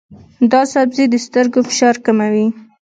دا سبزی د سترګو فشار کموي.